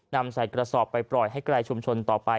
นำใส่กระสอบไปปล่อยให้ไกลชุมชนต่อไป